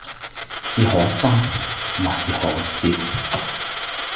是可憎或是可笑，